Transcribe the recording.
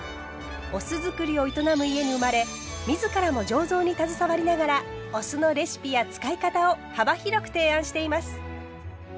お酢造りを営む家に生まれ自らも醸造に携わりながらお酢のレシピや使い方を幅広く提案しています。